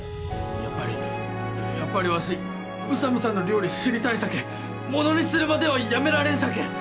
やっぱりやっぱりわし宇佐美さんの料理知りたいさけものにするまでは辞められんさけ・